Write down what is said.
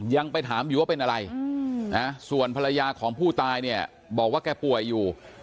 ยังไปถามอยู่ว่าเป็นอะไรนะส่วนภรรยาของผู้ตายเนี่ยบอกว่าแกป่วยอยู่